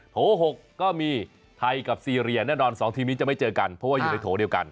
โถ๖ก็มีไทยกับซีเรียแน่นอน๒ทีมนี้จะไม่เจอกันเพราะว่าอยู่ในโถเดียวกัน